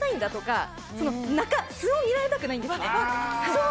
そう！